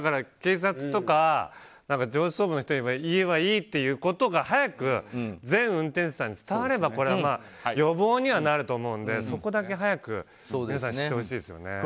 警察とか上層部の人に言えばいいということが、早く全運転手さんに伝われば予防にはなると思うんでそこだけ早く皆さん知ってほしいですよね。